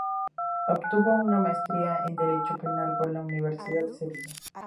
Obtuvo una maestría en Derecho Penal por la Universidad de Sevilla.